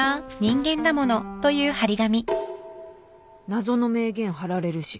謎の名言貼られるし。